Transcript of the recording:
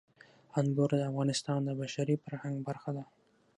انګور د افغانستان د بشري فرهنګ برخه ده.